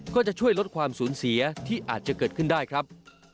ก็จะช่วยลดความสูญเสียที่อาจจะเกิดขึ้นได้ครับ